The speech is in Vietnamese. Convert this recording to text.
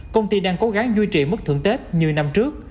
công ty đang cố gắng duy trì mức thưởng tết như năm trước